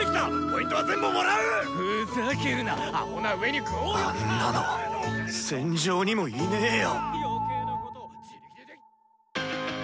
あんなの戦場にもいねぇよ。